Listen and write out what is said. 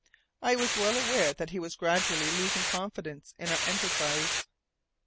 I was well aware that he was gradually losing confidence in our enterprise.